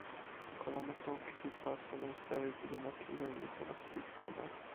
kalama toki li waso lon sewi pi nena kiwen li tawa sewi pona.